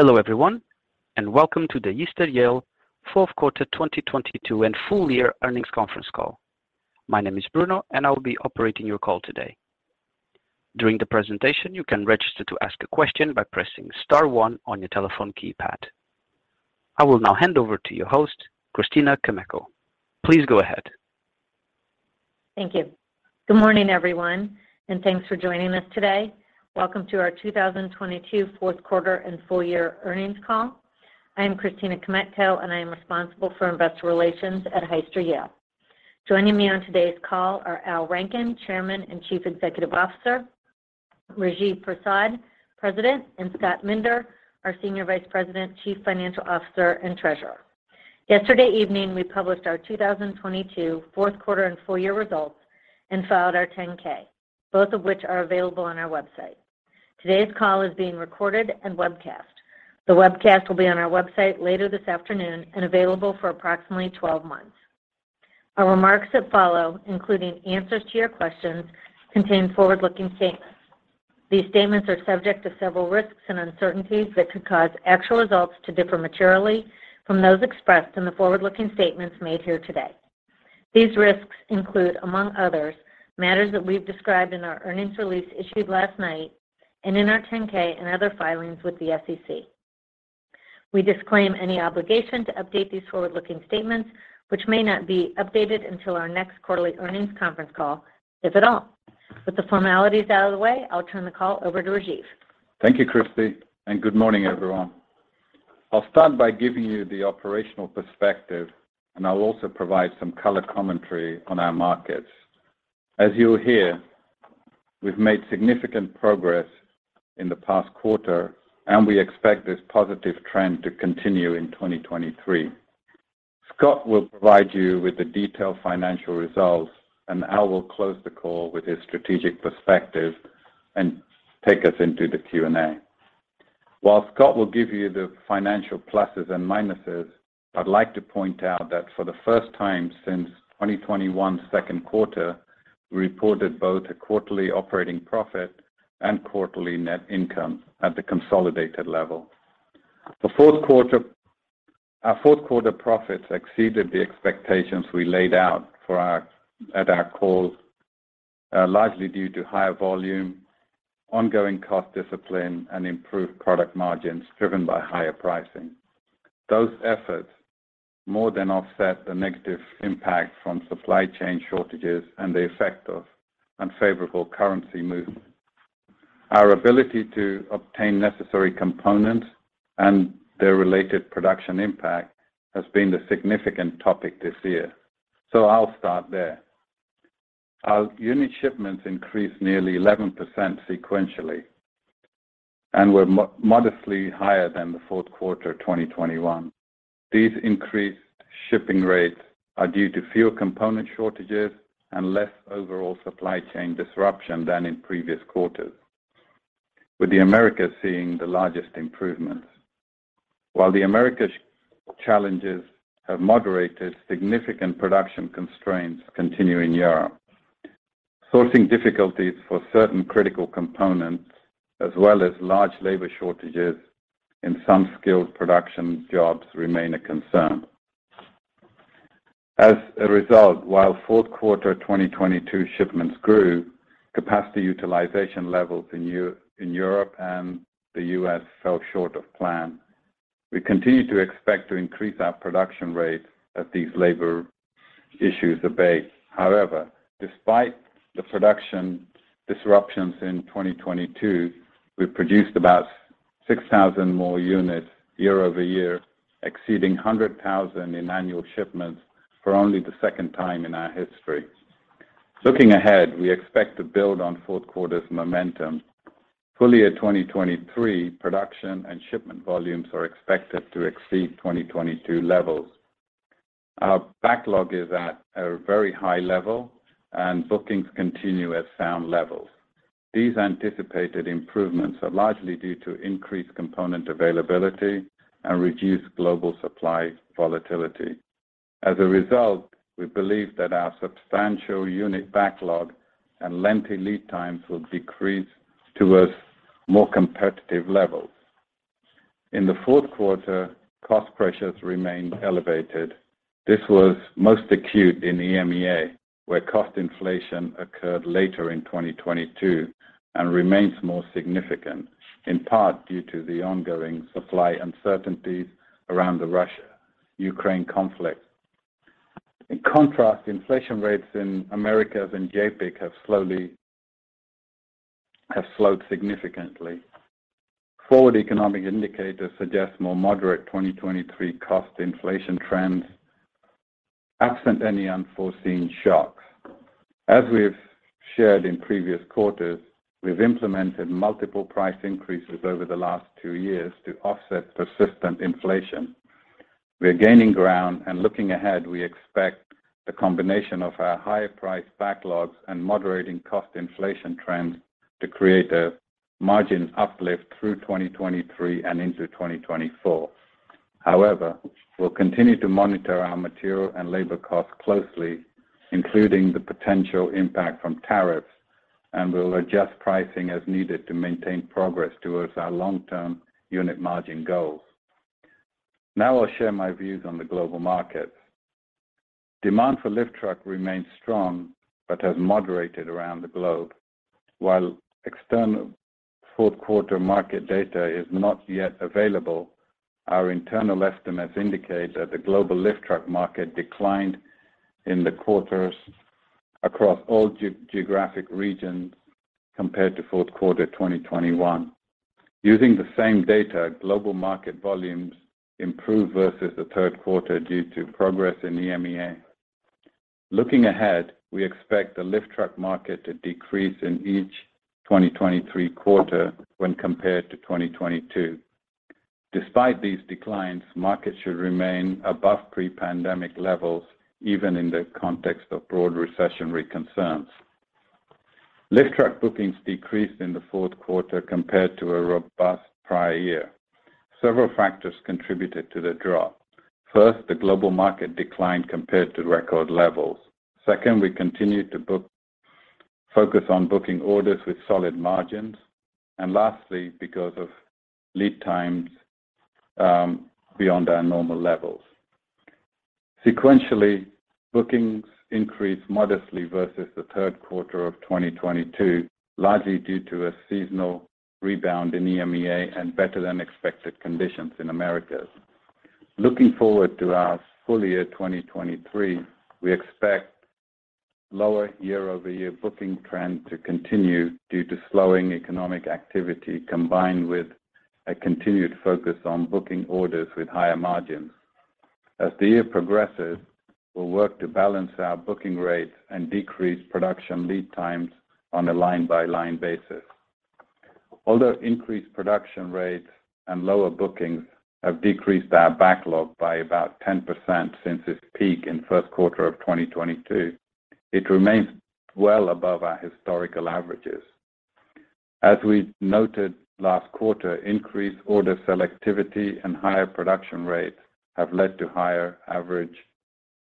Hello everyone, and welcome to the Hyster-Yale 4th quarter 2022 and full year earnings conference call. My name is Bruno, and I will be operating your call today. During the presentation, you can register to ask a question by pressing star one on your telephone keypad. I will now hand over to your host, Christina Kmetko. Please go ahead. Thank you. Good morning, everyone, and thanks for joining us today. Welcome to our 2022 fourth quarter and full year earnings call. I am Christina Kmetko, and I am responsible for investor relations at Hyster-Yale. Joining me on today's call are Al Rankin, Chairman and Chief Executive Officer, Rajiv Prasad, President, and Scott Minder, our Senior Vice President, Chief Financial Officer and Treasurer. Yesterday evening, we published our 2022 fourth quarter and full year results and filed our 10-K, both of which are available on our website. Today's call is being recorded and webcast. The webcast will be on our website later this afternoon and available for approximately 12 months. Our remarks that follow, including answers to your questions, contain forward-looking statements. These statements are subject to several risks and uncertainties that could cause actual results to differ materially from those expressed in the forward-looking statements made here today. These risks include, among others, matters that we've described in our earnings release issued last night and in our 10-K and other filings with the SEC. We disclaim any obligation to update these forward-looking statements, which may not be updated until our next quarterly earnings conference call, if at all. With the formalities out of the way, I'll turn the call over to Rajiv. Thank you, Christy, and good morning, everyone. I'll start by giving you the operational perspective, and I'll also provide some color commentary on our markets. As you'll hear, we've made significant progress in the past quarter, and we expect this positive trend to continue in 2023. Scott will provide you with the detailed financial results, and Al will close the call with his strategic perspective and take us into the Q&A. While Scott will give you the financial pluses and minuses, I'd like to point out that for the first time since 2021 second quarter, we reported both a quarterly operating profit and quarterly net income at the consolidated level. Our fourth quarter profits exceeded the expectations we laid out at our calls, largely due to higher volume, ongoing cost discipline, and improved product margins driven by higher pricing. Those efforts more than offset the negative impact from supply chain shortages and the effect of unfavorable currency movements. Our ability to obtain necessary components and their related production impact has been the significant topic this year. I'll start there. Our unit shipments increased nearly 11% sequentially and were modestly higher than the fourth quarter of 2021. These increased shipping rates are due to fewer component shortages and less overall supply chain disruption than in previous quarters, with the Americas seeing the largest improvements. While the Americas challenges have moderated, significant production constraints continue in Europe. Sourcing difficulties for certain critical components as well as large labor shortages in some skilled production jobs remain a concern. As a result, while fourth quarter 2022 shipments grew, capacity utilization levels in Europe and the U.S. fell short of plan. We continue to expect to increase our production rates as these labor issues abate. However, despite the production disruptions in 2022, we produced about 6,000 more units year-over-year, exceeding 100,000 in annual shipments for only the second time in our history. Looking ahead, we expect to build on fourth quarter's momentum. Full year 2023 production and shipment volumes are expected to exceed 2022 levels. Our backlog is at a very high level and bookings continue at sound levels. These anticipated improvements are largely due to increased component availability and reduced global supply volatility. As a result, we believe that our substantial unit backlog and lengthy lead times will decrease to a more competitive level. In the fourth quarter, cost pressures remained elevated. This was most acute in EMEA, where cost inflation occurred later in 2022 and remains more significant, in part due to the ongoing supply uncertainties around the Russia-Ukraine conflict. In contrast, inflation rates in Americas and JAPIC have slowed significantly. Forward economic indicators suggest more moderate 2023 cost inflation trends absent any unforeseen shocks. As we have shared in previous quarters, we've implemented multiple price increases over the last two years to offset persistent inflation. We are gaining ground and looking ahead, we expect the combination of our higher price backlogs and moderating cost inflation trends to create a margin uplift through 2023 and into 2024. However, we'll continue to monitor our material and labor costs closely, including the potential impact from tariffs, and we'll adjust pricing as needed to maintain progress towards our long-term unit margin goals. I'll share my views on the global market. Demand for lift truck remains strong, has moderated around the globe. While external fourth quarter market data is not yet available, our internal estimates indicate that the global lift truck market declined in the quarters across all geographic regions compared to fourth quarter 2021. Using the same data, global market volumes improved versus the third quarter due to progress in EMEA. Looking ahead, we expect the lift truck market to decrease in each 2023 quarter when compared to 2022. Despite these declines, markets should remain above pre-pandemic levels, even in the context of broad recessionary concerns. Lift truck bookings decreased in the fourth quarter compared to a robust prior year. Several factors contributed to the drop. First, the global market declined compared to record levels. Second, we continued to focus on booking orders with solid margins. Lastly, because of lead times, beyond our normal levels. Sequentially, bookings increased modestly versus the third quarter of 2022, largely due to a seasonal rebound in EMEA and better-than-expected conditions in Americas. Looking forward to our full year 2023, we expect lower year-over-year booking trend to continue due to slowing economic activity combined with a continued focus on booking orders with higher margins. As the year progresses, we'll work to balance our booking rates and decrease production lead times on a line-by-line basis. Although increased production rates and lower bookings have decreased our backlog by about 10% since its peak in first quarter of 2022, it remains well above our historical averages. As we noted last quarter, increased order selectivity and higher production rates have led to higher average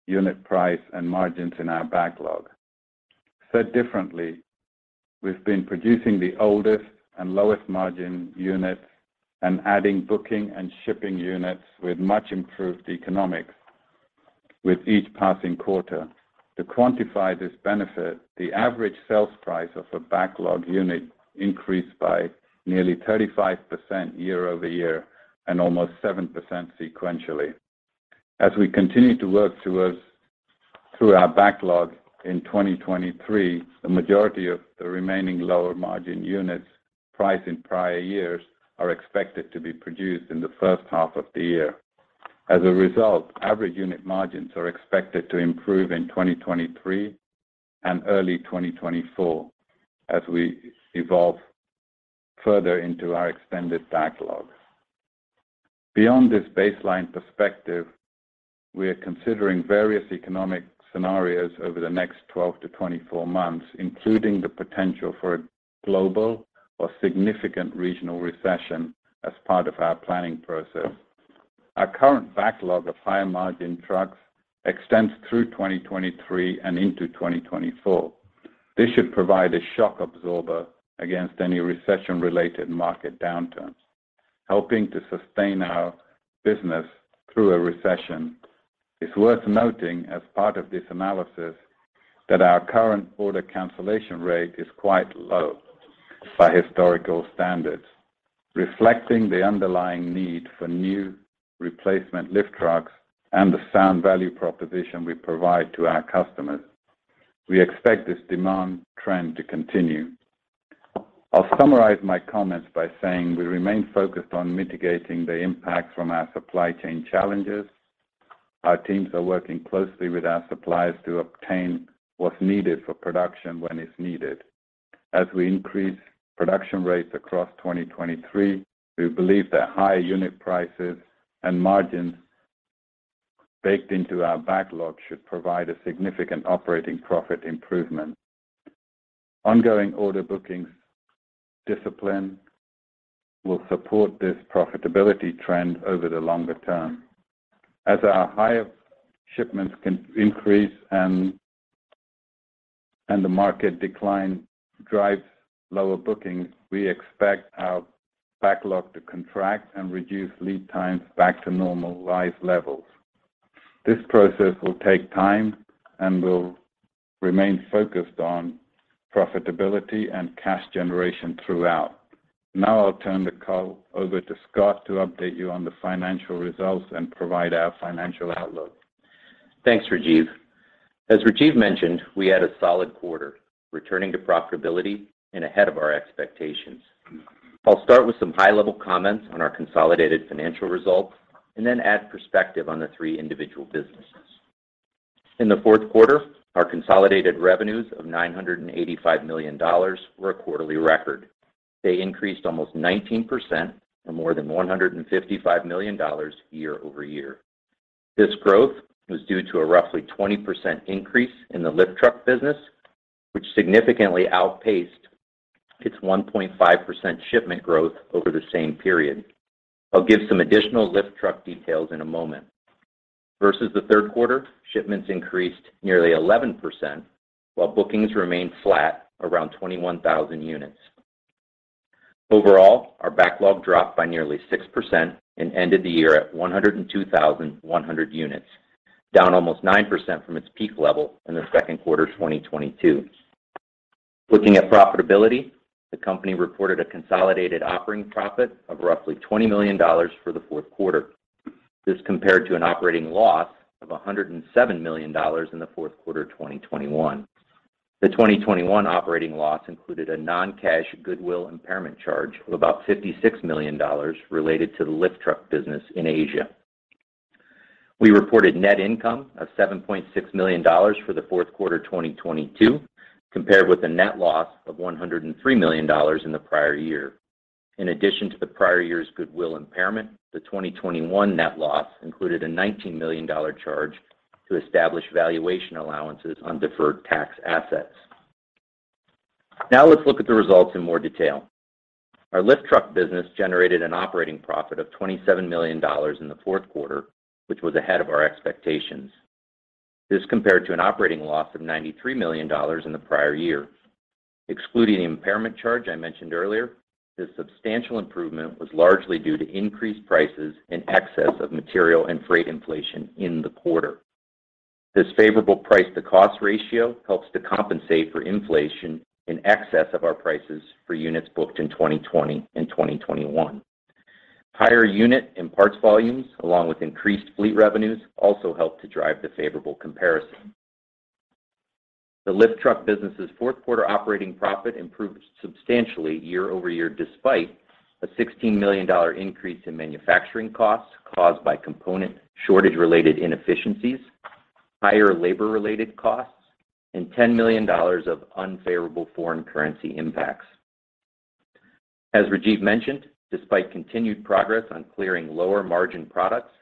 unit price and margins in our backlog. Said differently, we've been producing the oldest and lowest margin units and adding, booking, and shipping units with much improved economics with each passing quarter. To quantify this benefit, the average sales price of a backlog unit increased by nearly 35% year-over-year and almost 7% sequentially. As we continue to work towards through our backlog in 2023, the majority of the remaining lower margin units priced in prior years are expected to be produced in the first half of the year. As a result, average unit margins are expected to improve in 2023 and early 2024 as we evolve further into our extended backlogs. Beyond this baseline perspective, we are considering various economic scenarios over the next 12-24 months, including the potential for a global or significant regional recession as part of our planning process. Our current backlog of higher margin trucks extends through 2023 and into 2024. This should provide a shock absorber against any recession-related market downturns, helping to sustain our business through a recession. It's worth noting as part of this analysis that our current order cancellation rate is quite low by historical standards, reflecting the underlying need for new replacement lift trucks and the sound value proposition we provide to our customers. We expect this demand trend to continue. I'll summarize my comments by saying we remain focused on mitigating the impact from our supply chain challenges. Our teams are working closely with our suppliers to obtain what's needed for production when it's needed. As we increase production rates across 2023, we believe that higher unit prices and margins baked into our backlog should provide a significant operating profit improvement. Ongoing order bookings discipline will support this profitability trend over the longer term. As our higher shipments can increase and the market decline drives lower bookings, we expect our backlog to contract and reduce lead times back to normalized levels. This process will take time and will remain focused on profitability and cash generation throughout. I'll turn the call over to Scott to update you on the financial results and provide our financial outlook. Thanks, Rajiv. As Rajiv mentioned, we had a solid quarter, returning to profitability and ahead of our expectations. I'll start with some high-level comments on our consolidated financial results and then add perspective on the three individual businesses. In the fourth quarter, our consolidated revenues of $985 million were a quarterly record. They increased almost 19% or more than $155 million year-over-year. This growth was due to a roughly 20% increase in the lift truck business, which significantly outpaced its 1.5% shipment growth over the same period. I'll give some additional lift truck details in a moment. Versus the third quarter, shipments increased nearly 11%, while bookings remained flat around 21,000 units. Overall, our backlog dropped by nearly 6% and ended the year at 102,100 units, down almost 9% from its peak level in the second quarter 2022. Looking at profitability, the company reported a consolidated operating profit of roughly $20 million for the fourth quarter. This compared to an operating loss of $107 million in the fourth quarter 2021. The 2021 operating loss included a non-cash goodwill impairment charge of about $56 million related to the lift truck business in Asia. We reported net income of $7.6 million for the fourth quarter 2022 compared with a net loss of $103 million in the prior year. In addition to the prior year's goodwill impairment, the 2021 net loss included a $19 million charge to establish valuation allowances on deferred tax assets. Let's look at the results in more detail. Our lift truck business generated an operating profit of $27 million in the fourth quarter, which was ahead of our expectations. This compared to an operating loss of $93 million in the prior year. Excluding the impairment charge I mentioned earlier, this substantial improvement was largely due to increased prices in excess of material and freight inflation in the quarter. This favorable price to cost ratio helps to compensate for inflation in excess of our prices for units booked in 2020 and 2021. Higher unit and parts volumes along with increased fleet revenues also helped to drive the favorable comparison. The lift truck business's fourth quarter operating profit improved substantially year-over-year despite a $16 million increase in manufacturing costs caused by component shortage-related inefficiencies, higher labor-related costs, and $10 million of unfavorable foreign currency impacts. As Rajiv mentioned, despite continued progress on clearing lower margin products,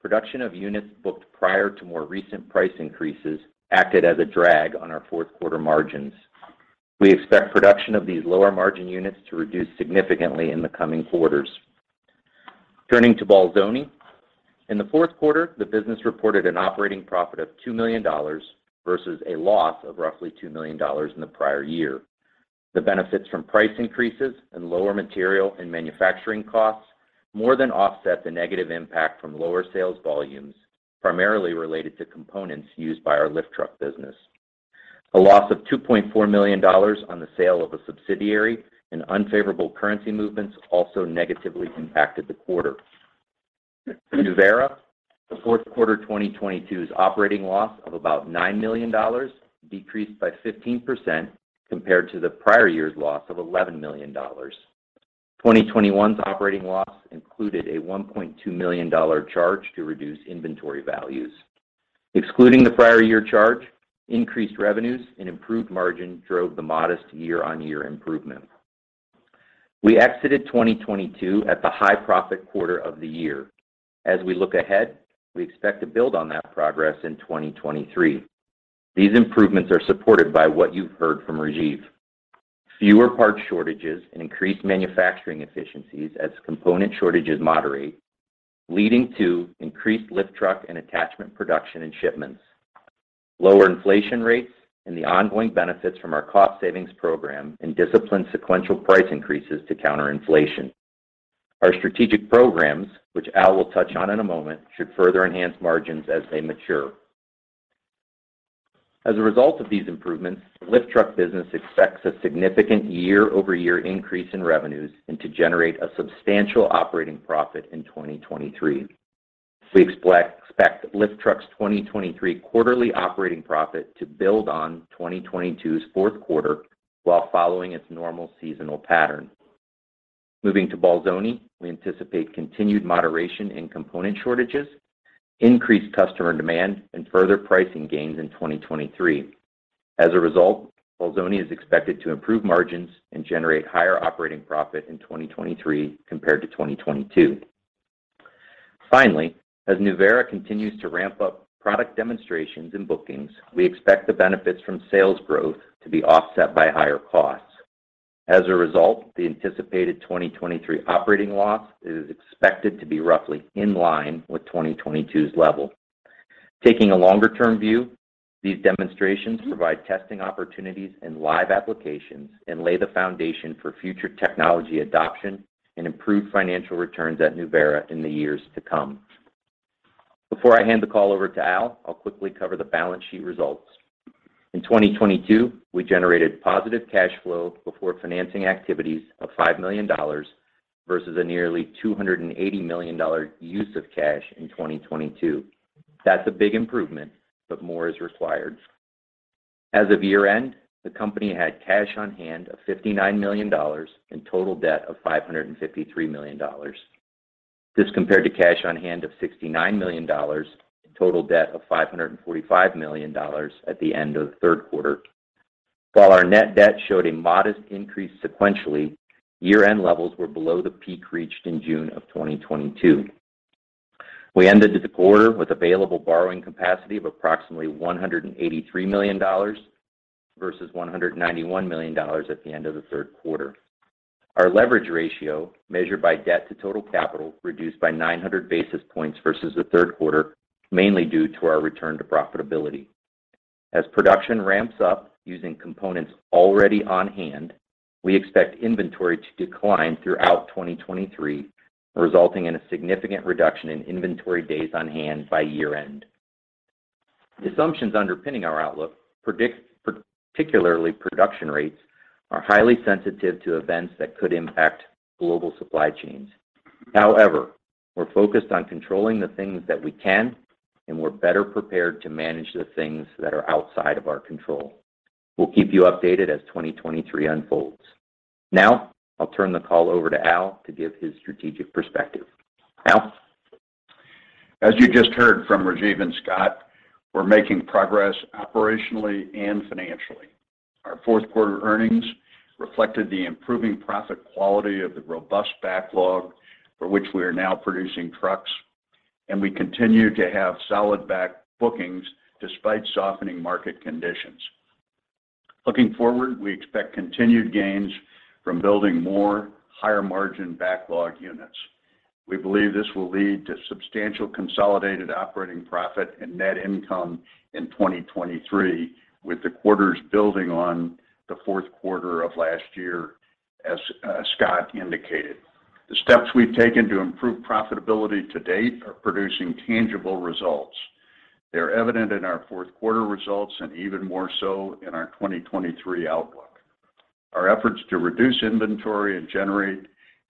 production of units booked prior to more recent price increases acted as a drag on our fourth quarter margins. We expect production of these lower margin units to reduce significantly in the coming quarters. Turning to Bolzoni. In the fourth quarter, the business reported an operating profit of $2 million versus a loss of roughly $2 million in the prior year. The benefits from price increases and lower material and manufacturing costs more than offset the negative impact from lower sales volumes, primarily related to components used by our lift truck business. A loss of $2.4 million on the sale of a subsidiary and unfavorable currency movements also negatively impacted the quarter. Nuvera, the fourth quarter 2022's operating loss of about $9 million decreased by 15% compared to the prior year's loss of $11 million. 2021's operating loss included a $1.2 million charge to reduce inventory values. Excluding the prior year charge, increased revenues and improved margin drove the modest year-on-year improvement. We exited 2022 at the high profit quarter of the year. As we look ahead, we expect to build on that progress in 2023. These improvements are supported by what you've heard from Rajiv. Fewer parts shortages and increased manufacturing efficiencies as component shortages moderate, leading to increased lift truck and attachment production and shipments. Lower inflation rates and the ongoing benefits from our cost savings program and disciplined sequential price increases to counter inflation. Our strategic programs, which Al will touch on in a moment, should further enhance margins as they mature. As a result of these improvements, the lift truck business expects a significant year-over-year increase in revenues and to generate a substantial operating profit in 2023. We expect Lift Truck's 2023 quarterly operating profit to build on 2022's fourth quarter while following its normal seasonal pattern. Moving to Bolzoni, we anticipate continued moderation in component shortages, increased customer demand, and further pricing gains in 2023. As a result, Bolzoni is expected to improve margins and generate higher operating profit in 2023 compared to 2022. Finally, as Nuvera continues to ramp up product demonstrations and bookings, we expect the benefits from sales growth to be offset by higher costs. As a result, the anticipated 2023 operating loss is expected to be roughly in line with 2022's level. Taking a longer-term view, these demonstrations provide testing opportunities in live applications and lay the foundation for future technology adoption and improved financial returns at Nuvera in the years to come. Before I hand the call over to Al, I'll quickly cover the balance sheet results. In 2022, we generated positive cash flow before financing activities of $5 million versus a nearly $280 million use of cash in 2022. That's a big improvement, but more is required. As of year-end, the company had cash on hand of $59 million and total debt of $553 million. Compared to cash on hand of $69 million and total debt of $545 million at the end of third quarter. While our net debt showed a modest increase sequentially, year-end levels were below the peak reached in June of 2022. We ended the quarter with available borrowing capacity of approximately $183 million versus $191 million at the end of the third quarter. Our leverage ratio, measured by debt-to-total-capital, reduced by 900 basis points versus the third quarter, mainly due to our return to profitability. As production ramps up using components already on hand, we expect inventory to decline throughout 2023, resulting in a significant reduction in inventory days on hand by year-end. The assumptions underpinning our outlook, particularly production rates, are highly sensitive to events that could impact global supply chains. However, we're focused on controlling the things that we can, and we're better prepared to manage the things that are outside of our control. We'll keep you updated as 2023 unfolds. Now, I'll turn the call over to Al to give his strategic perspective. Al? As you just heard from Rajiv and Scott, we're making progress operationally and financially. Our fourth quarter earnings reflected the improving profit quality of the robust backlog for which we are now producing trucks. We continue to have solid back bookings despite softening market conditions. Looking forward, we expect continued gains from building more higher-margin backlog units. We believe this will lead to substantial consolidated operating profit and net income in 2023, with the quarters building on the fourth quarter of last year, as Scott indicated. The steps we've taken to improve profitability to date are producing tangible results. They're evident in our fourth quarter results and even more so in our 2023 outlook. Our efforts to reduce inventory and generate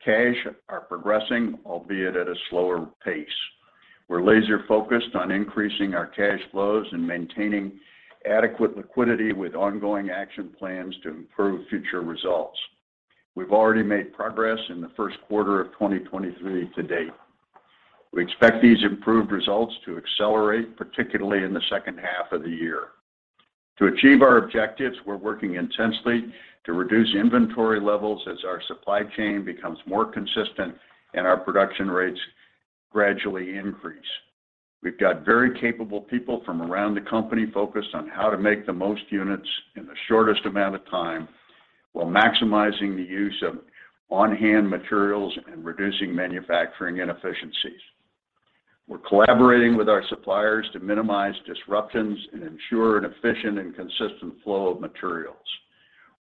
cash are progressing, albeit at a slower pace. We're laser-focused on increasing our cash flows and maintaining adequate liquidity with ongoing action plans to improve future results. We've already made progress in the first quarter of 2023 to date. We expect these improved results to accelerate, particularly in the second half of the year. To achieve our objectives, we're working intensely to reduce inventory levels as our supply chain becomes more consistent and our production rates gradually increase. We've got very capable people from around the company focused on how to make the most units in the shortest amount of time while maximizing the use of on-hand materials and reducing manufacturing inefficiencies. We're collaborating with our suppliers to minimize disruptions and ensure an efficient and consistent flow of materials.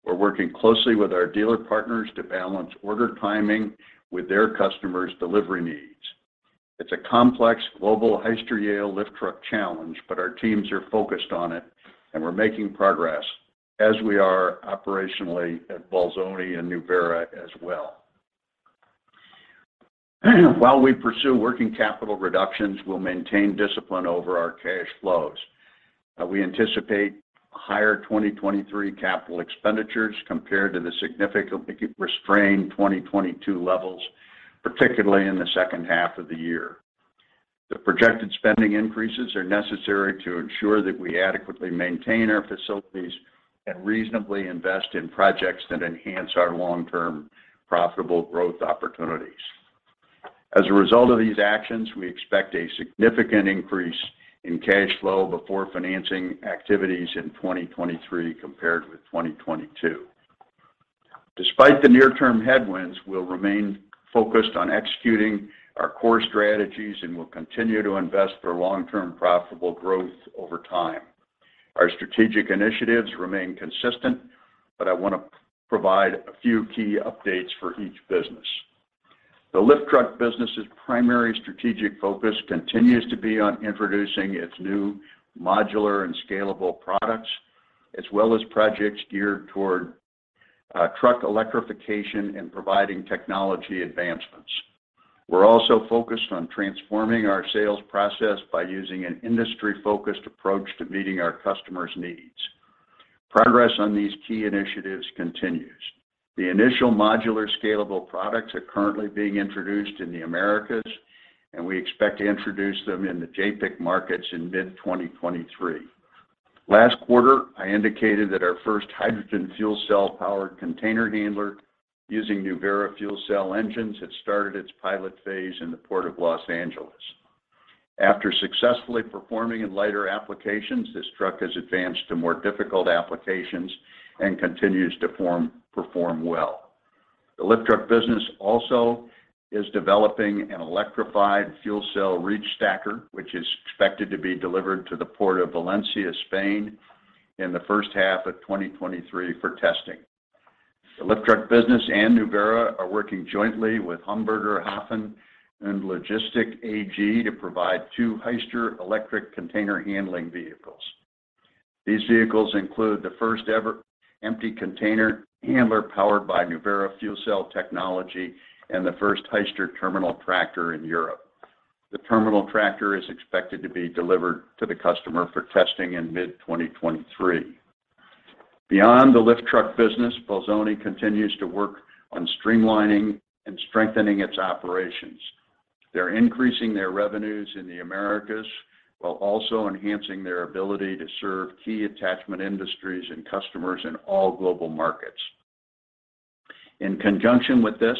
We're working closely with our dealer partners to balance order timing with their customers' delivery needs. It's a complex global Hyster-Yale Lift Truck challenge. Our teams are focused on it, and we're making progress as we are operationally at Bolzoni and Nuvera as well. While we pursue working capital reductions, we'll maintain discipline over our cash flows. We anticipate higher 2023 capital expenditures compared to the significantly restrained 2022 levels, particularly in the second half of the year. The projected spending increases are necessary to ensure that we adequately maintain our facilities and reasonably invest in projects that enhance our long-term profitable growth opportunities. As a result of these actions, we expect a significant increase in cash flow before financing activities in 2023 compared with 2022. Despite the near-term headwinds, we'll remain focused on executing our core strategies and will continue to invest for long-term profitable growth over time. Our strategic initiatives remain consistent, I want to provide a few key updates for each business. The Lift Truck business' primary strategic focus continues to be on introducing its new modular and scalable products, as well as projects geared toward truck electrification and providing technology advancements. We're also focused on transforming our sales process by using an industry-focused approach to meeting our customers' needs. Progress on these key initiatives continues. The initial modular scalable products are currently being introduced in the Americas, we expect to introduce them in the JAPIC markets in mid-2023. Last quarter, I indicated that our first hydrogen fuel cell-powered Container Handler using Nuvera fuel cell engines had started its pilot phase in the Port of Los Angeles. After successfully performing in lighter applications, this truck has advanced to more difficult applications, continues to perform well. The Lift Truck business also is developing an electrified fuel cell ReachStacker, which is expected to be delivered to the Port of Valencia, Spain, in the first half of 2023 for testing. The Lift Truck business and Nuvera are working jointly with Hamburger Hafen und Logistik AG to provide two Hyster electric Container Handler vehicles. These vehicles include the first ever Empty Container Handler powered by Nuvera fuel cell technology and the first Hyster Terminal Tractor in Europe. The Terminal Tractor is expected to be delivered to the customer for testing in mid-2023. Beyond the Lift Truck business, Bolzoni continues to work on streamlining and strengthening its operations. They're increasing their revenues in the Americas while also enhancing their ability to serve key attachment industries and customers in all global markets. In conjunction with this,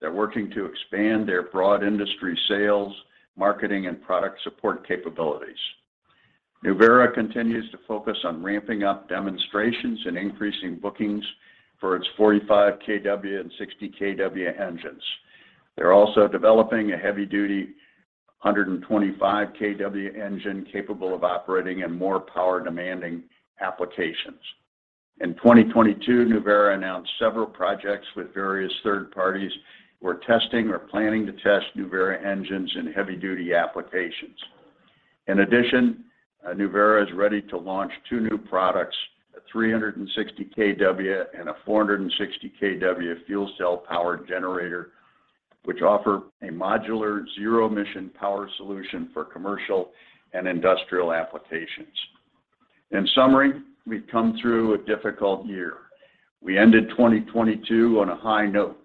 they're working to expand their broad industry sales, marketing, and product support capabilities. Nuvera continues to focus on ramping up demonstrations and increasing bookings for its 45 kW and 60 kW engines. They're also developing a heavy-duty 125 kW engine capable of operating in more power-demanding applications. 2022, Nuvera announced several projects with various third parties who are testing or planning to test Nuvera engines in heavy-duty applications. Nuvera is ready to launch two new products, a 360 kW and a 460 kW fuel cell powered generator, which offer a modular zero emission power solution for commercial and industrial applications. We've come through a difficult year. We ended 2022 on a high note.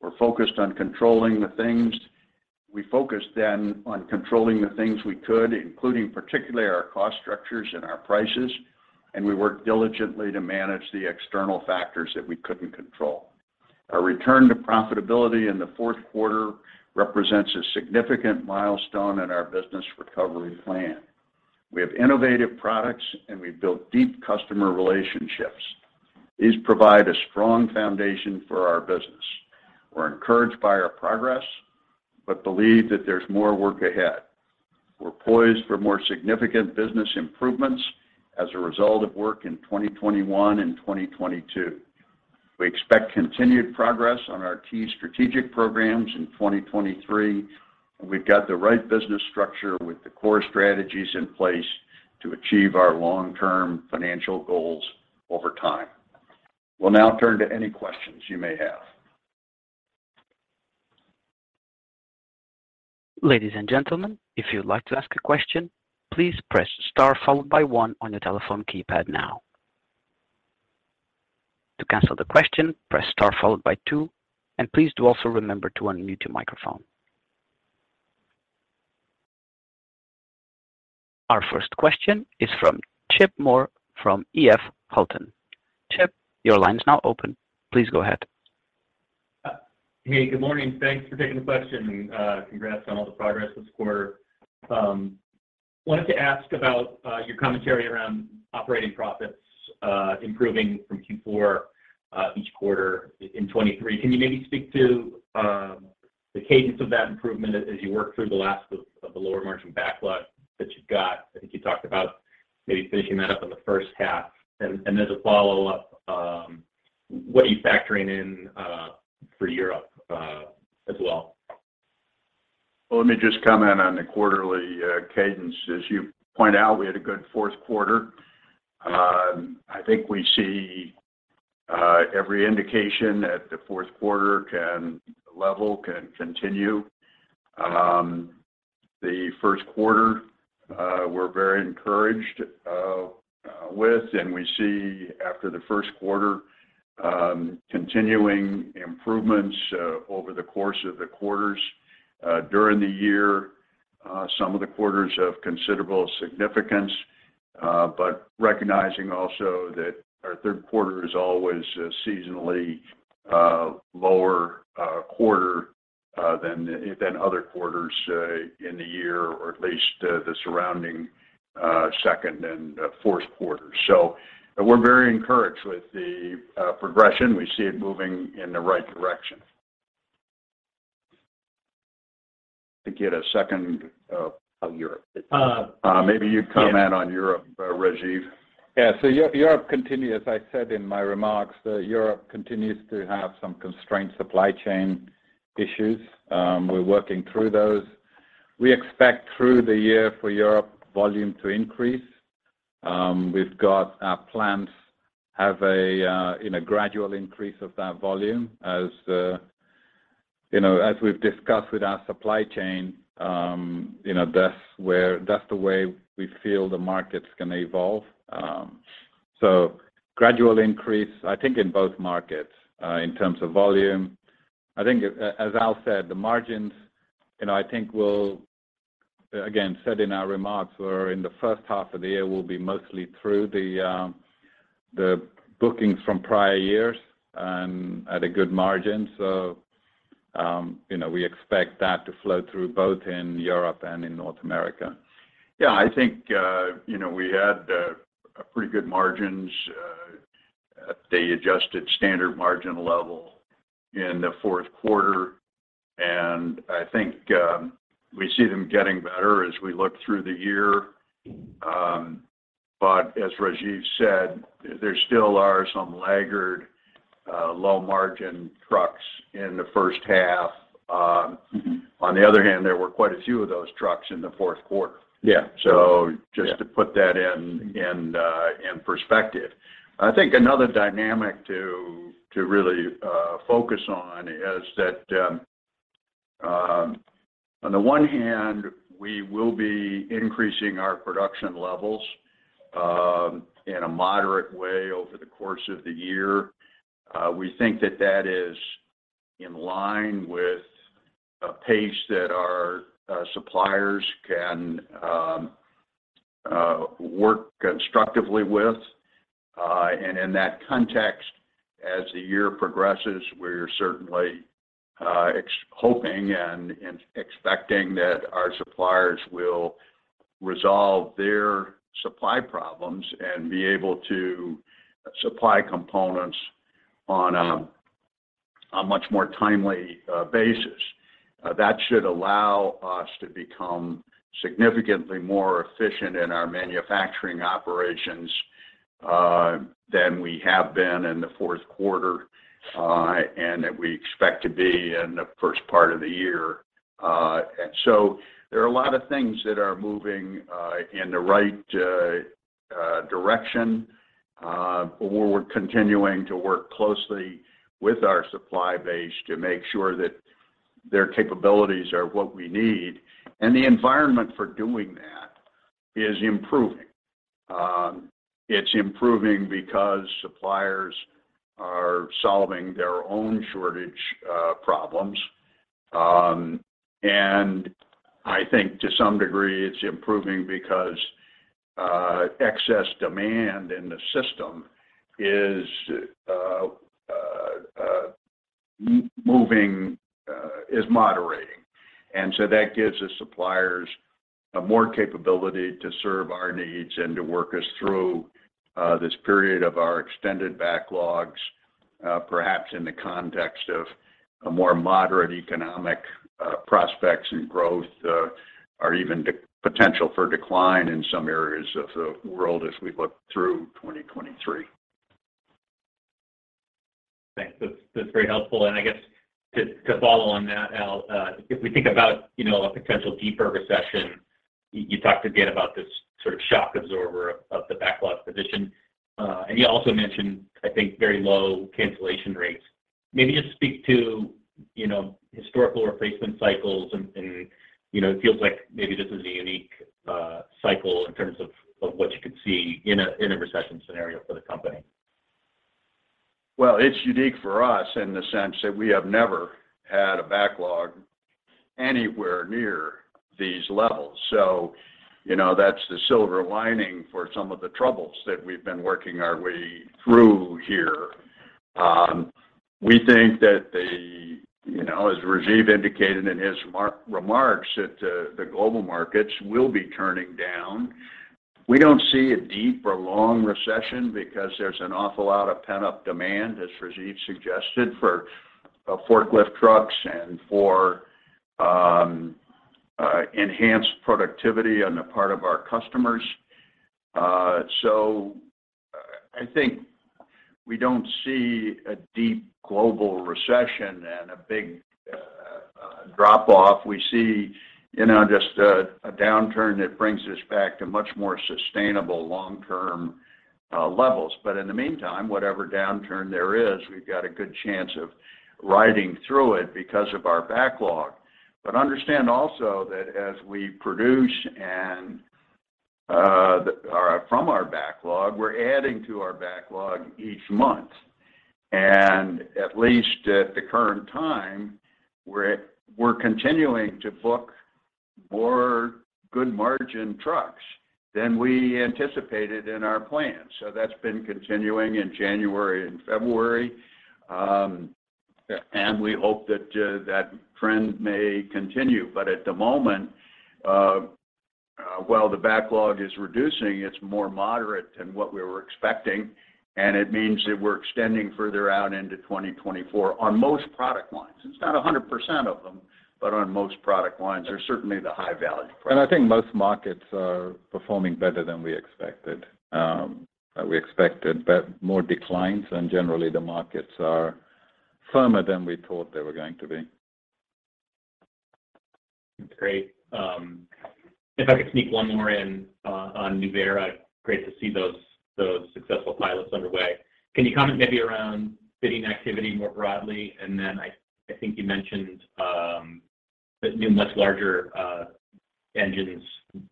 We're focused on controlling the things we could, including particularly our cost structures and our prices. We worked diligently to manage the external factors that we couldn't control. Our return to profitability in the fourth quarter represents a significant milestone in our business recovery plan. We have innovative products. We've built deep customer relationships. These provide a strong foundation for our business. We're encouraged by our progress. We believe that there's more work ahead. We're poised for more significant business improvements as a result of work in 2021 and 2022. We expect continued progress on our key strategic programs in 2023. We've got the right business structure with the core strategies in place to achieve our long-term financial goals over time. We'll now turn to any questions you may have. Ladies and gentlemen, if you'd like to ask a question, please press star followed by one on your telephone keypad now. To cancel the question, press star followed by two, and please do also remember to unmute your microphone. Our first question is from Chip Moore from EF Hutton. Chip, your line's now open. Please go ahead. Hey, good morning. Thanks for taking the question. Congrats on all the progress this quarter. Wanted to ask about your commentary around operating profits improving from Q4 each quarter in 2023. Can you maybe speak to the cadence of that improvement as you work through the last of the lower margin backlog that you've got? I think you talked about maybe finishing that up in the first half. As a follow-up, what are you factoring in for Europe as well? Let me just comment on the quarterly cadence. As you point out, we had a good fourth quarter. I think we see every indication that the fourth quarter can level can continue. The first quarter, we're very encouraged with, and we see after the first quarter, continuing improvements over the course of the quarters during the year. Some of the quarters have considerable significance, but recognizing also that our third quarter is always a seasonally lower quarter than other quarters in the year, or at least the surrounding second and fourth quarters. We're very encouraged with the progression. We see it moving in the right direction. I think you had a second. On Europe, yes. Maybe you comment on Europe, Rajiv? Yeah. Europe continues, as I said in my remarks, Europe continues to have some constrained supply chain issues. We're working through those. We expect through the year for Europe volume to increase. We've got, our plants have a, you know, a gradual increase of that volume as, you know, as we've discussed with our supply chain, you know, that's the way we feel the market's gonna evolve. Gradual increase, I think, in both markets, in terms of volume. I think as Al said, the margins, you know, I think we'll, again, said in our remarks, we're in the first half of the year, we'll be mostly through the bookings from prior years and at a good margin. You know, we expect that to flow through both in Europe and in North America. Yeah, I think, you know, we had pretty good margins, at the adjusted standard margin level in the fourth quarter. I think, we see them getting better as we look through the year. As Rajiv said, there still are some laggard, low-margin trucks in the first half. Mm-hmm. On the other hand, there were quite a few of those trucks in the fourth quarter. Yeah. Just to put that in perspective. I think another dynamic to really focus on is that on the one hand, we will be increasing our production levels in a moderate way over the course of the year. We think that that is in line with a pace that our suppliers can work constructively with. In that context, as the year progresses, we're certainly hoping and expecting that our suppliers will resolve their supply problems and be able to supply components on a much more timely basis. That should allow us to become significantly more efficient in our manufacturing operations than we have been in the fourth quarter and that we expect to be in the first part of the year. There are a lot of things that are moving in the right direction. We're continuing to work closely with our supply base to make sure that their capabilities are what we need. The environment for doing that is improving. It's improving because suppliers are solving their own shortage problems. I think to some degree, it's improving because excess demand in the system is moderating. That gives the suppliers a more capability to serve our needs and to work us through this period of our extended backlogs, perhaps in the context of a more moderate economic prospects and growth, or even de-potential for decline in some areas of the world as we look through 2023. Thanks. That's very helpful. I guess to follow on that, Al, if we think about, you know, a potential deeper recession, you talked again about this sort of shock absorber of the backlog position. You also mentioned, I think, very low cancellation rates. Maybe just speak to, you know, historical replacement cycles and, you know, it feels like maybe this is a unique cycle in terms of what you could see in a recession scenario for the company. Well, it's unique for us in the sense that we have never had a backlog anywhere near these levels. You know, that's the silver lining for some of the troubles that we've been working our way through here. We think that, you know, as Rajiv indicated in his remarks, the global markets will be turning down. We don't see a deep or long recession because there's an awful lot of pent-up demand, as Rajiv suggested, for forklift trucks and for enhanced productivity on the part of our customers. I think we don't see a deep global recession and a big drop-off. We see, you know, just a downturn that brings us back to much more sustainable long-term levels. In the meantime, whatever downturn there is, we've got a good chance of riding through it because of our backlog. Understand also that as we produce and or from our backlog, we're adding to our backlog each month. At least at the current time, we're continuing to book more good margin trucks than we anticipated in our plan. That's been continuing in January and February. Yeah We hope that trend may continue. At the moment, while the backlog is reducing, it's more moderate than what we were expecting, and it means that we're extending further out into 2024 on most product lines. It's not 100% of them, but on most product lines, or certainly the high value products. I think most markets are performing better than we expected. We expected more declines, and generally the markets are firmer than we thought they were going to be. That's great. If I could sneak one more in, on Nuvera. Great to see those successful pilots underway. Can you comment maybe around bidding activity more broadly? I think you mentioned the new, much larger, engines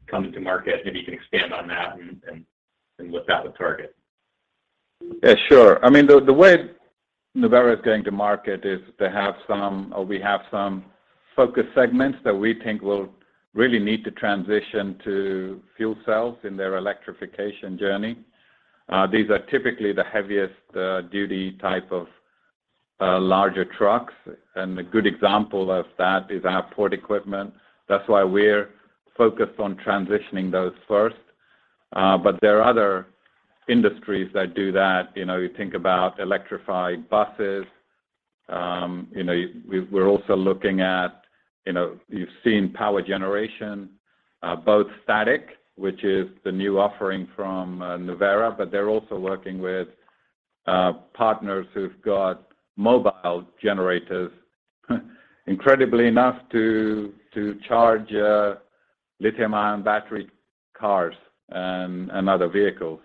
coming to market. Maybe you can expand on that and what that would target. Yeah, sure. I mean, the way Nuvera is going to market is they have some, or we have some focus segments that we think will really need to transition to fuel cells in their electrification journey. These are typically the heaviest duty type of larger trucks. A good example of that is our port equipment. That's why we're focused on transitioning those first. There are other industries that do that. You know, you think about electrified buses. You know, we're also looking at, you know, you've seen power generation, both static, which is the new offering from Nuvera, they're also working with partners who've got mobile generators, incredibly enough, to charge lithium-ion battery cars and other vehicles.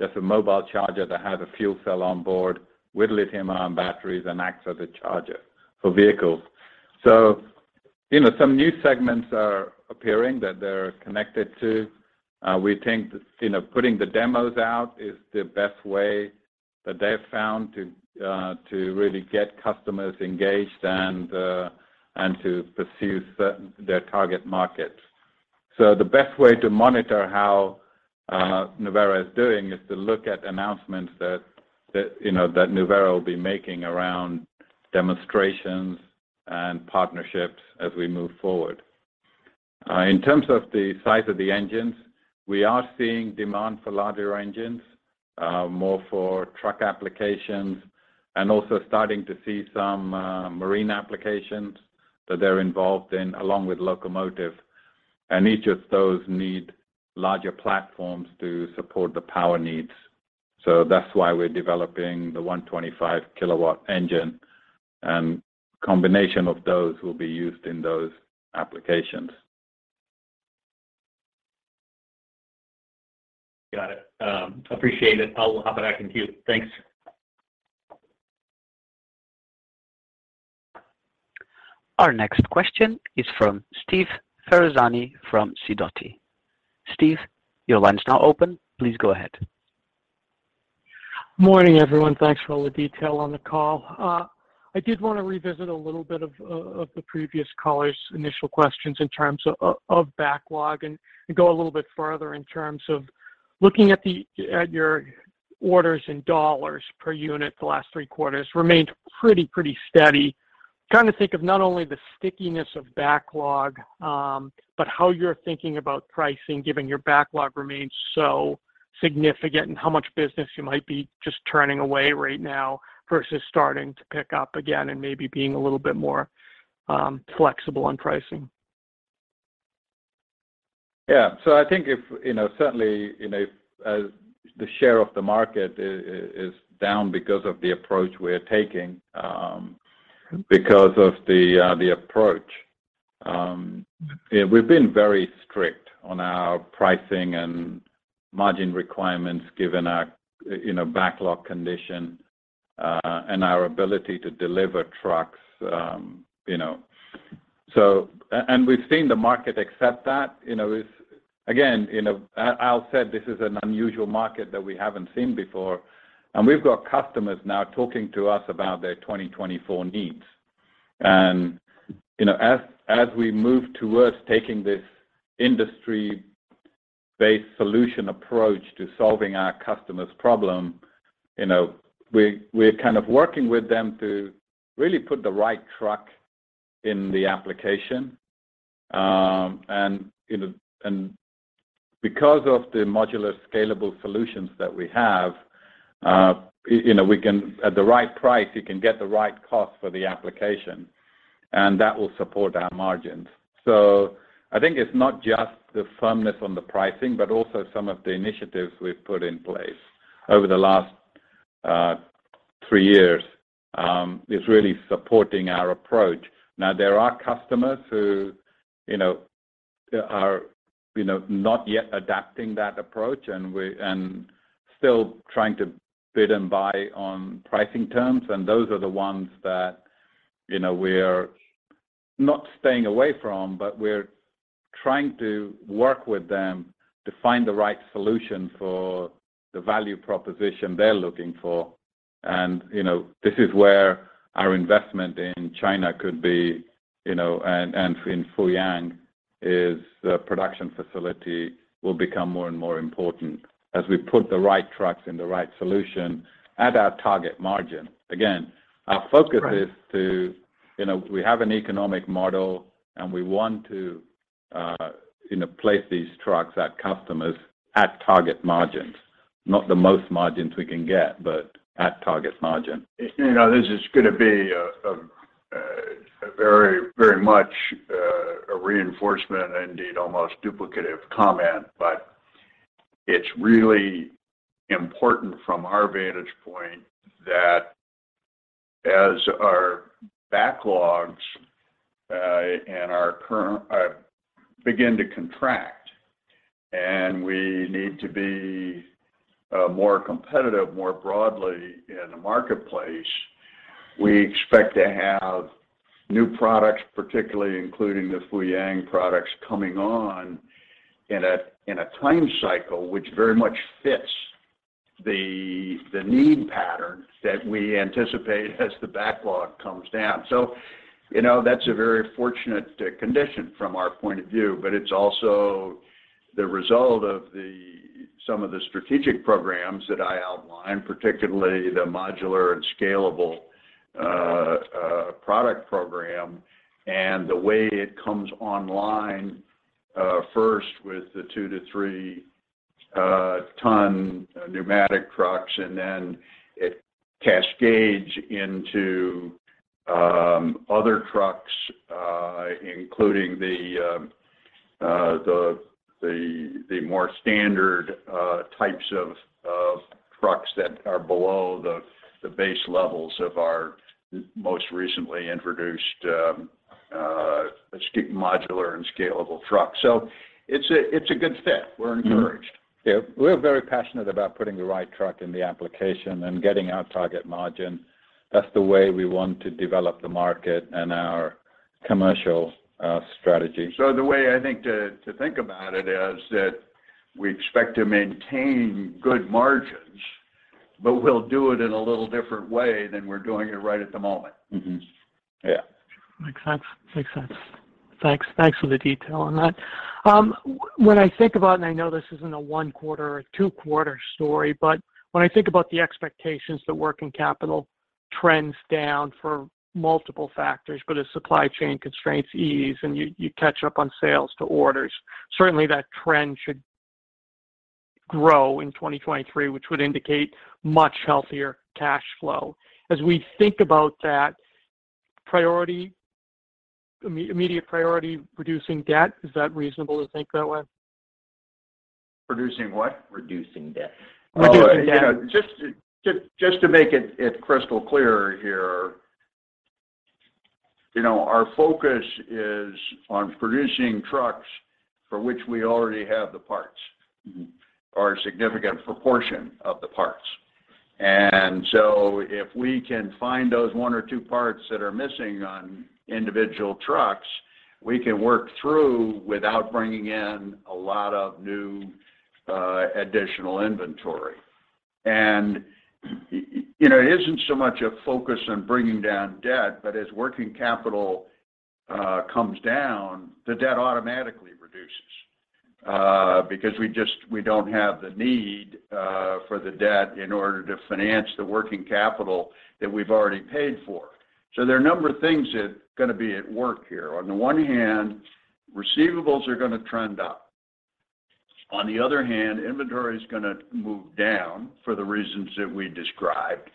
That's a mobile charger that has a fuel cell on board with lithium-ion batteries and acts as a charger for vehicles. You know, some new segments are appearing that they're connected to. We think that, you know, putting the demos out is the best way that they've found to really get customers engaged and to pursue their target markets. The best way to monitor how Nuvera is doing is to look at announcements that, you know, that Nuvera will be making around demonstrations and partnerships as we move forward. In terms of the size of the engines, we are seeing demand for larger engines, more for truck applications, and also starting to see some marine applications that they're involved in along with locomotive. Each of those need larger platforms to support the power needs. That's why we're developing the 125 kW engine, and combination of those will be used in those applications. Got it. Appreciate it. I'll hop it back in queue. Thanks. Our next question is from Steve Ferazani from Sidoti. Steve, your line is now open. Please go ahead. Morning, everyone. Thanks for all the detail on the call. I did want to revisit a little bit of the previous caller's initial questions in terms of backlog and go a little bit further in terms of looking at your orders in dollars per unit the last three quarters remained pretty steady. Trying to think of not only the stickiness of backlog, but how you're thinking about pricing given your backlog remains so significant and how much business you might be just turning away right now versus starting to pick up again and maybe being a little bit more flexible on pricing. Yeah. I think if, you know, certainly, you know, as the share of the market is down because of the approach we're taking, because of the approach, we've been very strict on our pricing and margin requirements given our, you know, backlog condition, and our ability to deliver trucks, you know. We've seen the market accept that. You know, again, you know, Al said this is an unusual market that we haven't seen before. We've got customers now talking to us about their 2024 needs. You know, as we move towards taking this industry-based solution approach to solving our customers' problem, you know, we're kind of working with them to really put the right truck in the application, and, you know. Because of the modular scalable solutions that we have, you know, at the right price, you can get the right cost for the application, and that will support our margins. I think it's not just the firmness on the pricing, but also some of the initiatives we've put in place over the last three years is really supporting our approach. There are customers who, you know, are, you know, not yet adapting that approach, and still trying to bid and buy on pricing terms. Those are the ones that, you know, we're not staying away from, but we're trying to work with them to find the right solution for the value proposition they're looking for. You know, this is where our investment in China could be, you know, and in Fuyang is the production facility will become more and more important as we put the right trucks in the right solution at our target margin. Again, our focus is to, you know, we have an economic model, and we want to, you know, place these trucks at customers at target margins, not the most margins we can get, but at target margin. You know, this is gonna be a very, very much, a reinforcement, indeed almost duplicative comment, but it's really important from our vantage point that as our backlogs begin to contract and we need to be more competitive, more broadly in the marketplace, we expect to have new products, particularly including the Fuyang products coming on in a, in a time cycle, which very much fits the need pattern that we anticipate as the backlog comes down. You know, that's a very fortunate condition from our point of view, but it's also the result of some of the strategic programs that I outlined, particularly the modular and scalable product program and the way it comes online, first with the two to three ton pneumatic trucks, and then it cascades into other trucks, including the more standard types of trucks that are below the base levels of our most recently introduced modular and scalable trucks. It's a good step. We're encouraged. Yeah. We're very passionate about putting the right truck in the application and getting our target margin. That's the way we want to develop the market and our commercial strategy. The way I think to think about it is that we expect to maintain good margins, but we'll do it in a little different way than we're doing it right at the moment. Mm-hmm. Yeah. Makes sense. Makes sense. Thanks. Thanks for the detail on that. When I think about, and I know this isn't a one quarter or two quarter story, but when I think about the expectations that working capital trends down for multiple factors, but as supply chain constraints ease and you catch up on sales to orders, certainly that trend should grow in 2023, which would indicate much healthier cash flow. As we think about that priority, immediate priority reducing debt, is that reasonable to think that way? Reducing what? Reducing debt. Reducing debt. Oh, you know, just to make it crystal clear here. You know, our focus is on producing trucks for which we already have the parts. Mm-hmm. A significant proportion of the parts. If we can find those one or two parts that are missing on individual trucks, we can work through without bringing in a lot of new additional inventory. You know, it isn't so much a focus on bringing down debt, but as working capital comes down, the debt automatically reduces because we don't have the need for the debt in order to finance the working capital that we've already paid for. There are a number of things that are gonna be at work here. On the one hand, receivables are gonna trend up. On the other hand, inventory is gonna move down for the reasons that we described.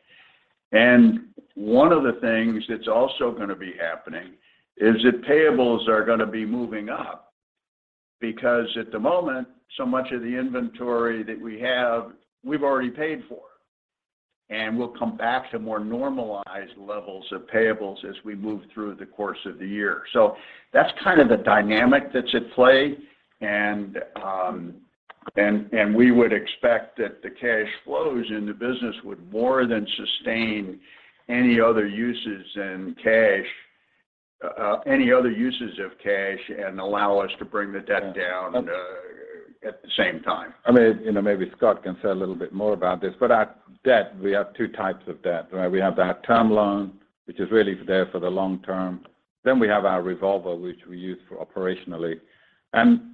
One of the things that's also gonna be happening is that payables are gonna be moving up because at the moment, so much of the inventory that we have, we've already paid for. We'll come back to more normalized levels of payables as we move through the course of the year. That's kind of the dynamic that's at play. And we would expect that the cash flows in the business would more than sustain any other uses in cash, any other uses of cash and allow us to bring the debt down at the same time. I mean, you know, maybe Scott can say a little bit more about this, but our debt, we have two types of debt, right? We have our term loan, which is really there for the long term. We have our revolver, which we use for operationally.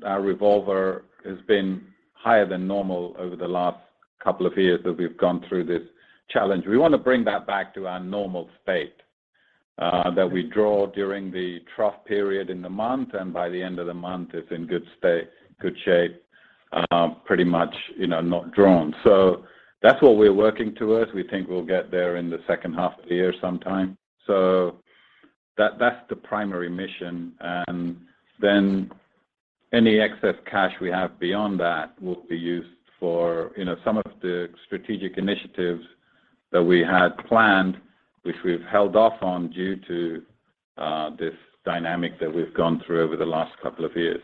Our revolver has been higher than normal over the last couple of years that we've gone through this challenge. We want to bring that back to our normal state, that we draw during the trough period in the month, and by the end of the month, it's in good shape, pretty much, you know, not drawn. That's what we're working towards. We think we'll get there in the second half of the year sometime. That's the primary mission. Any excess cash we have beyond that will be used for, you know, some of the strategic initiatives that we had planned, which we've held off on due to this dynamic that we've gone through over the last couple of years.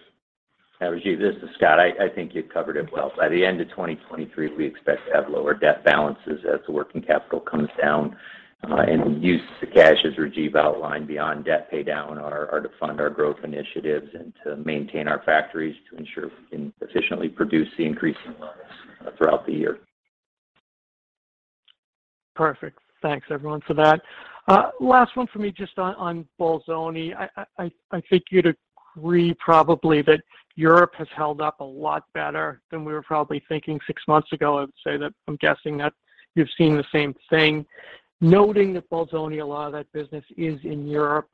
Rajiv, this is Scott. I think you've covered it well. By the end of 2023, we expect to have lower debt balances as the working capital comes down, and use the cash, as Rajiv outlined, beyond debt pay down or to fund our growth initiatives and to maintain our factories to ensure we can efficiently produce the increasing levels throughout the year. Perfect. Thanks everyone for that. Last one for me, just on Bolzoni. I think you'd agree probably that Europe has held up a lot better than we were probably thinking six months ago. I would say that I'm guessing that you've seen the same thing. Noting that Bolzoni, a lot of that business is in Europe.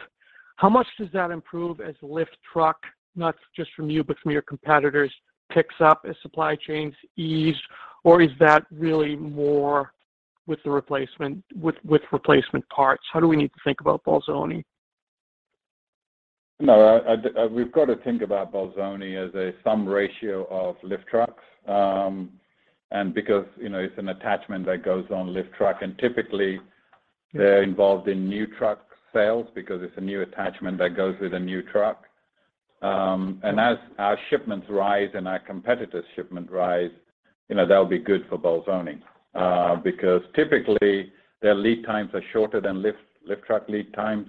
How much does that improve as lift truck, not just from you, but from your competitors, picks up as supply chains ease? Or is that really more with the replacement parts? How do we need to think about Bolzoni? No, we've got to think about Bolzoni as a sum ratio of lift trucks. Because, you know, it's an attachment that goes on lift truck, and typically they're involved in new truck sales because it's a new attachment that goes with a new truck. As our shipments rise and our competitors' shipment rise, you know, that'll be good for Bolzoni. Because typically, their lead times are shorter than lift truck lead times.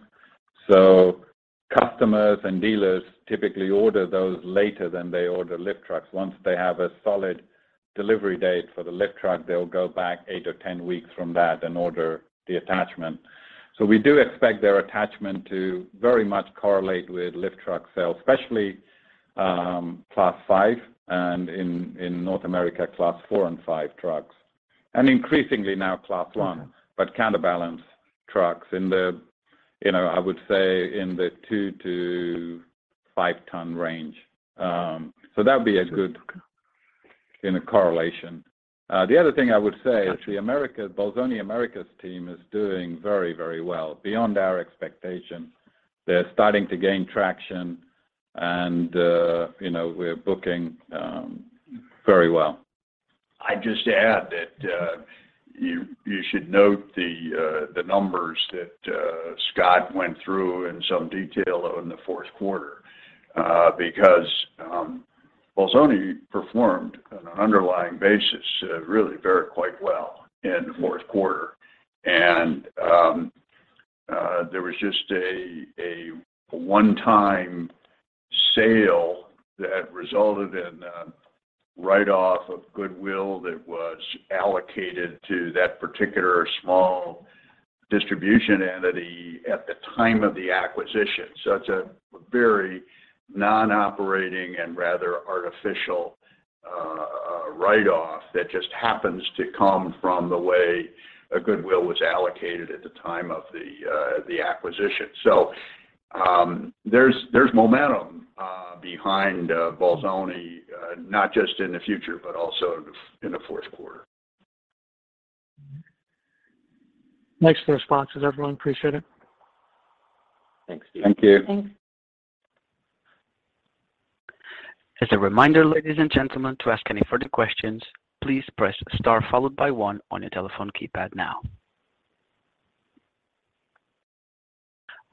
Customers and dealers typically order those later than they order lift trucks. Once they have a solid delivery date for the lift truck, they'll go back eight or 10 weeks from that and order the attachment. We do expect their attachment to very much correlate with lift truck sales, especially, Class V and in North America, Class IV and V trucks. Increasingly now Class I, but counterbalance trucks in the, you know, I would say in the two to five ton range. That would be a good, you know, correlation. The other thing I would say is the Bolzoni Americas team is doing very, very well beyond our expectation. They're starting to gain traction and, you know, we're booking very well. I'd just add that you should note the numbers that Scott went through in some detail in the fourth quarter. Because Bolzoni performed on an underlying basis really very quite well in the fourth quarter. There was just a one-time sale that resulted in a write-off of goodwill that was allocated to that particular small distribution entity at the time of the acquisition. It's a very non-operating and rather artificial write-off that just happens to come from the way a goodwill was allocated at the time of the acquisition. There's momentum behind Bolzoni not just in the future, but also in the fourth quarter. Thanks for the responses, everyone. Appreciate it. Thanks. Thank you. Thanks. As a reminder, ladies and gentlemen, to ask any further questions, please press star followed by one on your telephone keypad now.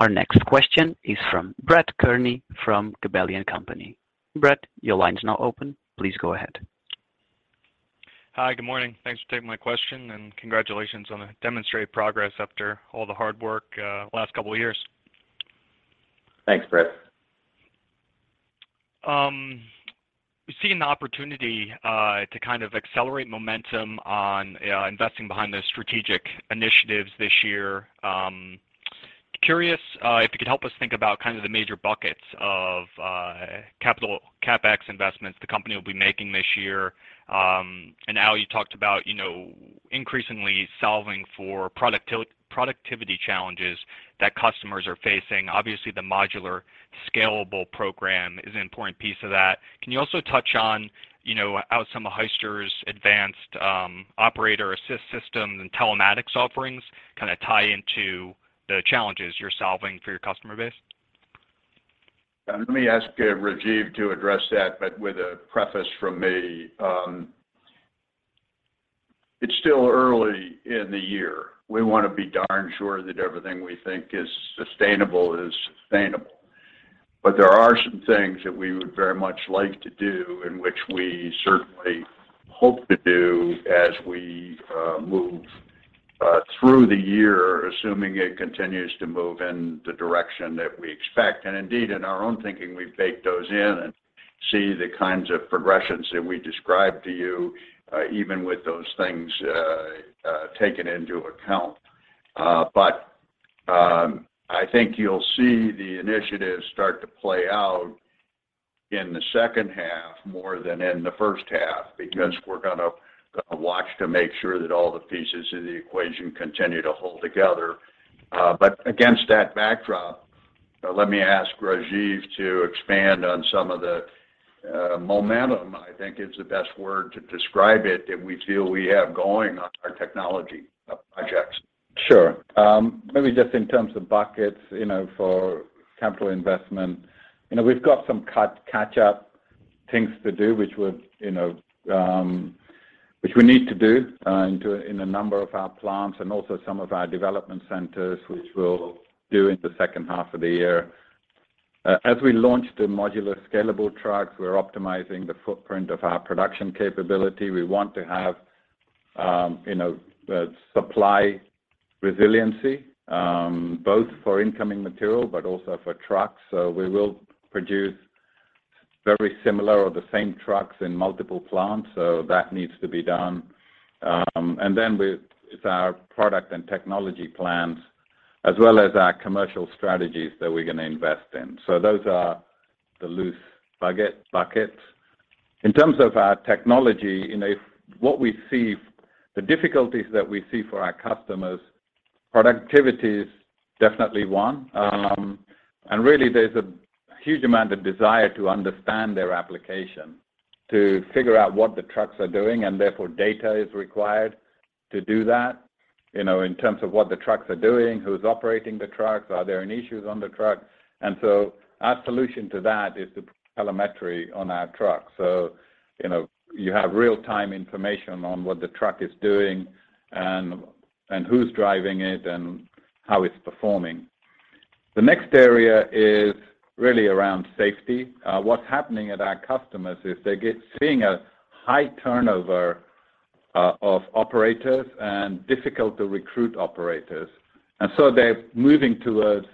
Our next question is from Brett Kearney from Gabelli & Company. Brett, your line is now open. Please go ahead. Hi. Good morning. Thanks for taking my question, and congratulations on the demonstrated progress after all the hard work last couple of years. Thanks, Brett. We've seen the opportunity to kind of accelerate momentum on investing behind the strategic initiatives this year. Curious, if you could help us think about kind of the major buckets of capital CapEx investments the company will be making this year. Al, you talked about, you know, increasingly solving for productivity challenges that customers are facing. Obviously, the modular scalable program is an important piece of that. Can you also touch on, you know, how some of Hyster's advanced operator assist systems and telematics offerings kind of tie into the challenges you're solving for your customer base? Let me ask Rajiv to address that with a preface from me. It's still early in the year. We want to be darn sure that everything we think is sustainable is sustainable. There are some things that we would very much like to do, and which we certainly hope to do as we move through the year, assuming it continues to move in the direction that we expect. Indeed, in our own thinking, we bake those in and see the kinds of progressions that we describe to you, even with those things taken into account. I think you'll see the initiatives start to play out in the second half more than in the first half, because we're gonna watch to make sure that all the pieces in the equation continue to hold together. Against that backdrop, let me ask Rajiv to expand on some of the momentum, I think is the best word to describe it, that we feel we have going on our technology projects. Sure. Maybe just in terms of buckets, you know, for capital investment. You know, we've got some cut-catch up things to do, which we've, you know, which we need to do in a number of our plants and also some of our development centers, which we'll do in the second half of the year. As we launch the modular scalable trucks, we're optimizing the footprint of our production capability. We want to have, you know, supply resiliency, both for incoming material but also for trucks. We will produce very similar or the same trucks in multiple plants, so that needs to be done. With our product and technology plans, as well as our commercial strategies that we're gonna invest in. Those are the loose buckets. In terms of our technology, you know, the difficulties that we see for our customers, productivity is definitely one. Really, there's a huge amount of desire to understand their application, to figure out what the trucks are doing, and therefore data is required to do that. You know, in terms of what the trucks are doing, who's operating the trucks, are there any issues on the truck? Our solution to that is the telemetry on our trucks. You know, you have real-time information on what the truck is doing and who's driving it and how it's performing. The next area is really around safety. What's happening at our customers is seeing a high turnover of operators and difficult to recruit operators. They're moving towards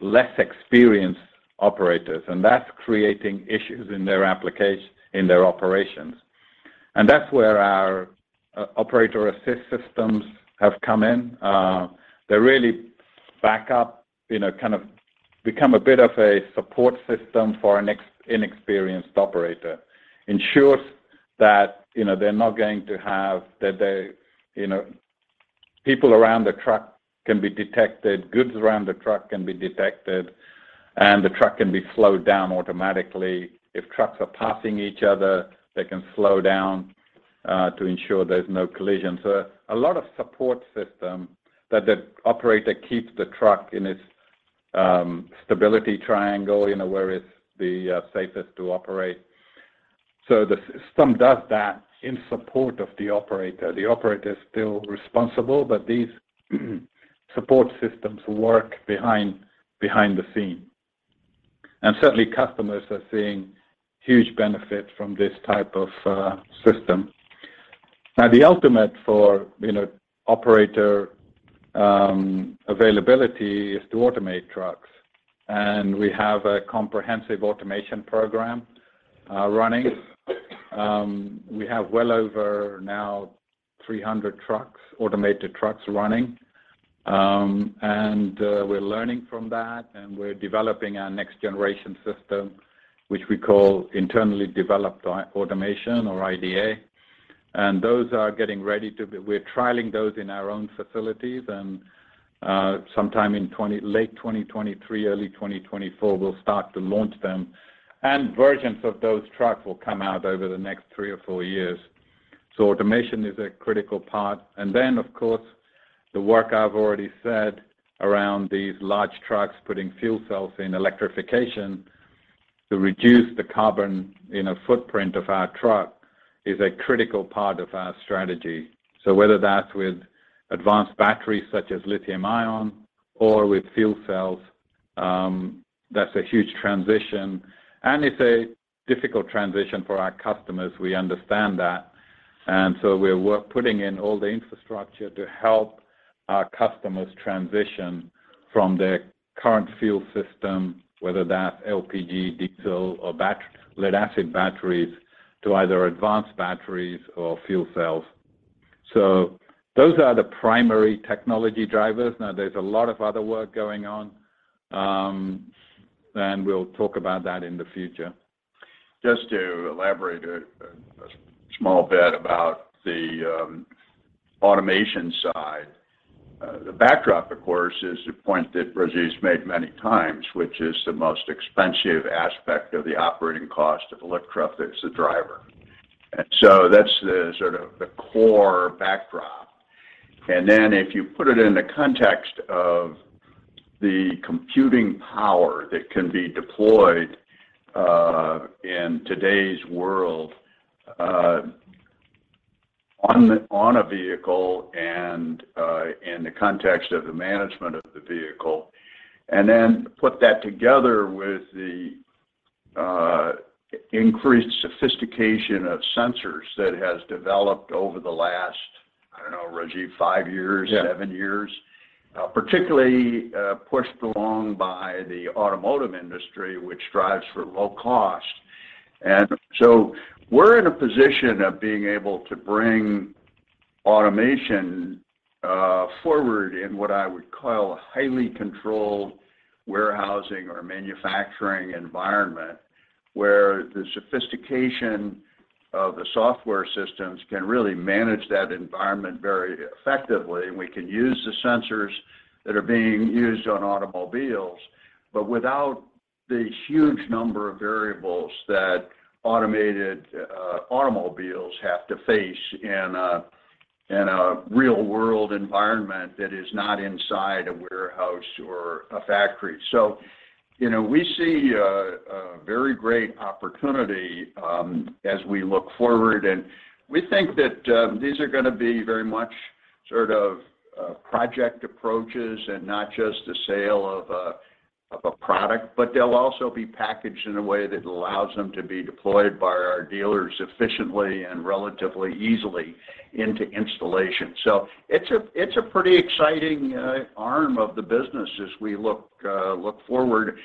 less experienced operators, and that's creating issues in their operations. That's where our operator assist systems have come in. They really back up, you know, kind of become a bit of a support system for an inexperienced operator. Ensures that, you know, that they, you know. People around the truck can be detected, goods around the truck can be detected, and the truck can be slowed down automatically. If trucks are passing each other, they can slow down to ensure there's no collision. A lot of support system that the operator keeps the truck in its stability triangle, you know, where it's the safest to operate. The system does that in support of the operator. The operator is still responsible, but these support systems work behind the scene. Certainly customers are seeing huge benefit from this type of system. The ultimate for, you know, operator, availability is to automate trucks. We have a comprehensive automation program running. We have well over now 300 trucks, automated trucks running. We're learning from that, and we're developing our next generation system, which we call Internally Developed by Automation or IDA. We're trialing those in our own facilities. Sometime in late 2023, early 2024, we'll start to launch them. Versions of those trucks will come out over the next three or four years. Automation is a critical part. Of course, the work I've already said around these large trucks putting fuel cells in electrification to reduce the carbon, you know, footprint of our truck is a critical part of our strategy. Whether that's with advanced batteries such as lithium-ion or with fuel cells, that's a huge transition. It's a difficult transition for our customers, we understand that. We're putting in all the infrastructure to help our customers transition from their current fuel system, whether that's LPG, diesel, or lead-acid batteries, to either advanced batteries or fuel cells. Those are the primary technology drivers. Now, there's a lot of other work going on, and we'll talk about that in the future. Just to elaborate a small bit about the automation side. The backdrop, of course, is the point that Rajiv's made many times, which is the most expensive aspect of the operating cost of electric is the driver. That's the sort of the core backdrop. Then if you put it in the context of the computing power that can be deployed in today's world on a vehicle and in the context of the management of the vehicle. Then put that together with the increased sophistication of sensors that has developed over the last, I don't know, Rajiv, five years. Yeah. Seven years, particularly, pushed along by the automotive industry, which strives for low cost. We're in a position of being able to bring automation forward in what I would call a highly controlled warehousing or manufacturing environment, where the sophistication of the software systems can really manage that environment very effectively, and we can use the sensors that are being used on automobiles, but without the huge number of variables that automated automobiles have to face in a real-world environment that is not inside a warehouse or a factory. You know, we see a very great opportunity as we look forward, and we think that these are gonna be very much sort of project approaches and not just the sale of a product. They'll also be packaged in a way that allows them to be deployed by our dealers efficiently and relatively easily into installation. It's a pretty exciting arm of the business as we look forward.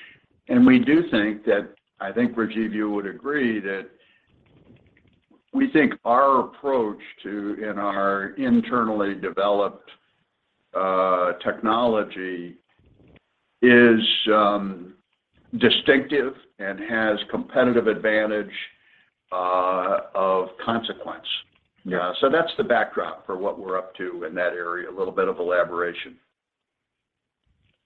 We do think that, I think, Rajiv, you would agree, that we think our approach to and our internally developed technology is distinctive and has competitive advantage of consequence. Yeah. That's the backdrop for what we're up to in that area. A little bit of elaboration.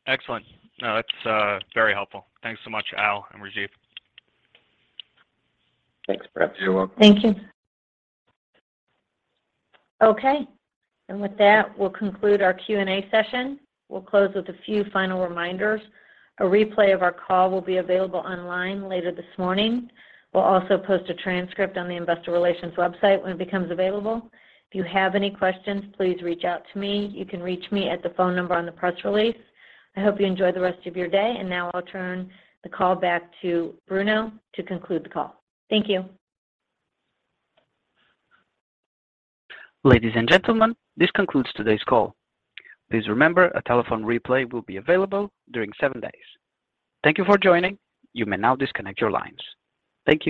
Excellent. No, that's very helpful. Thanks so much, Al and Rajiv. Thanks, Brett. You're welcome. Thank you. Okay. With that, we'll conclude our Q&A session. We'll close with a few final reminders. A replay of our call will be available online later this morning. We'll also post a transcript on the investor relations website when it becomes available. If you have any questions, please reach out to me. You can reach me at the phone number on the press release. I hope you enjoy the rest of your day. Now I'll turn the call back to Bruno to conclude the call. Thank you. Ladies and gentlemen, this concludes today's call. Please remember a telephone replay will be available during seven days. Thank you for joining. You may now disconnect your lines. Thank you.